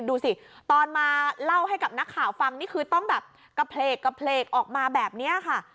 ดูสิตอนมาเล่าให้กับนักข่าวฟังนี่คือต้องแบบกระเพลกออกมาแบบนี้ค่ะ